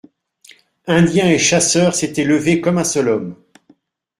Indiens et chasseurs s'étaient levés comme un seul homme.